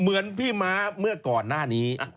เหมือนพี่ม้าเมื่อก่อนหน้านี้